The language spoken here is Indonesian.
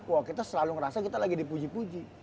wah kita selalu ngerasa kita lagi dipuji puji